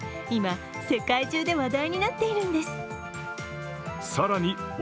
今、世界中で話題になっているんです。